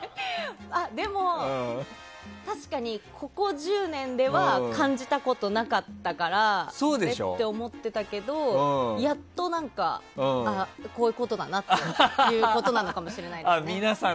でも確かに、ここ１０年では感じたことなかったからあれ？って思っていたけどやっと何かこういうことだなっていうことなのかもしれないですね。